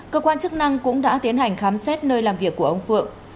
cơ quan chức năng cũng đã tiến hành khám xét nơi làm việc của ông phượng